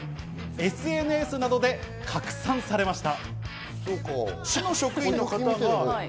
ＳＮＳなどで拡散されました。